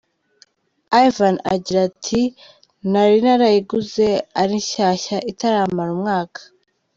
Ivan agira ati “Nari narayiguze ari nshyashya itaramara umwaka.